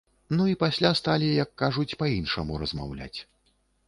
Ну, і пасля сталі, як кажуць, па-іншаму размаўляць.